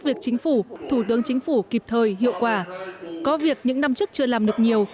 việc chính phủ thủ tướng chính phủ kịp thời hiệu quả có việc những năm trước chưa làm được nhiều